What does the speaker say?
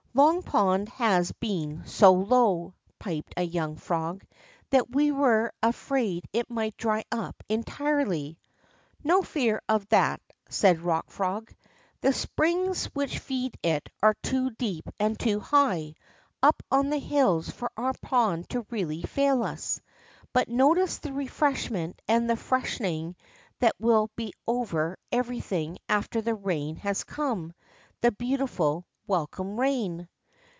Long Pond has been so low," piped a young frog, that we were afraid it might dry up en tirely." ^^o fear of that," said the Rock Frog. The springs which feed it are too deep and too high up on the hills for our pond to really fail us. But notice the refreshment and the freshening that will be over everything after the rain has come, the beautiful, welcome rain.